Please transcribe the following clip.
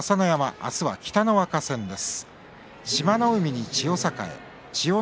明日は北の若戦です。